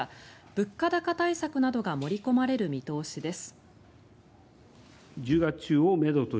物価高対策などが盛り込まれる見通しです。